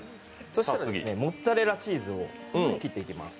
そしたらモッツァレラチーズを切っていきます。